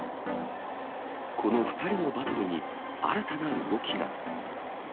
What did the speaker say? この２人のバトルに、新たな動きが。